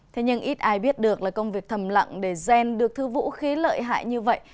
thế nhưng ít ai biết được là công việc thầm lặng để gen được thứ vũ khí lợi hại như vậy